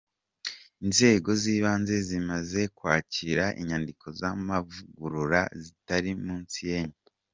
Inzego z’ibanze zimaze kwakira inyandiko z’amavugurura zitari munsi y’enye!.